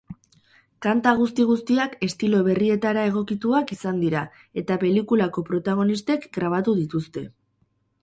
Kanta guzti-guztiak estilo berrietara egokituak izan dira, eta pelikulako protagonistek grabatu dituzte.